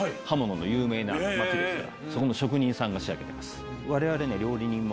そこの職人さんが仕上げてます。